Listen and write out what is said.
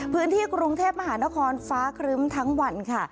พื้นที่กรุงเทพมหานครฟ้าครึ้มทั้งวันค่ะ